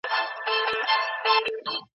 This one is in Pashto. د وګړو پس اندازونه په کافي اندازه زيات نه دي.